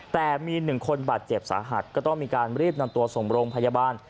แต่มีหนึ่งคนบาดเจ็บสาหัสก็ต้องมีการรีบนำตัวส่งโรงพยาบาล